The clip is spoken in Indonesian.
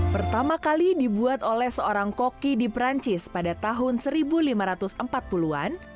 pertama kali dibuat oleh seorang koki di perancis pada tahun seribu lima ratus empat puluh an